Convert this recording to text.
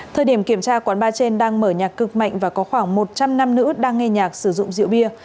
thời điểm kiểm tra quán bar trên đang mở nhạc cực mạnh và có khoảng một trăm linh nam nữ đang nghe nhạc sử dụng rượu bia